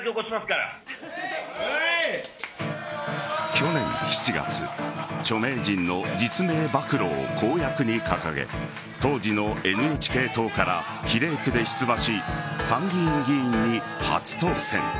去年７月著名人の実名暴露を公約に掲げ当時のＮＨＫ党から比例区で出馬し参議院議員に初当選。